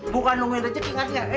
bukan lo yang rejeki ngerti ya